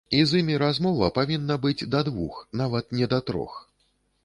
І з імі размова павінна быць да двух, нават не да трох.